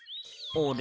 あれ？